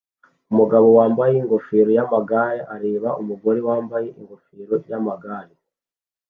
Umugabo wambaye ingofero yamagare areba umugore wambaye ingofero yamagare